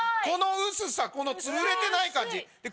この薄さこのつぶれてない感じ。